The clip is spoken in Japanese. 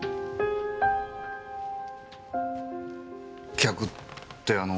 客ってあの？